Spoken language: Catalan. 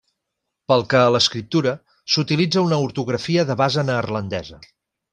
Pel que a l'escriptura, s'utilitza una ortografia de base neerlandesa.